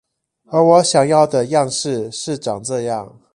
而我想要的樣式是長這樣